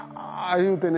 言うてね